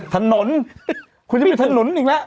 ถนนคุณจะเป็นถนนอีกแล้ว